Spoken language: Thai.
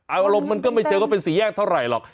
อารมณ์มันก็ไม่เชิงว่าเป็นสี่แยกเท่าไหร่หรอก